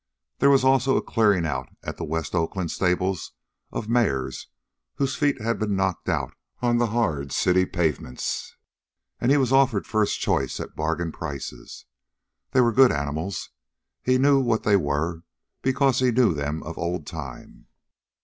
There was also a clearing out at the West Oakland stables of mares whose feet had been knocked out on the hard city pavements, and he was offered first choice at bargain prices. They were good animals. He knew what they were because he knew them of old time.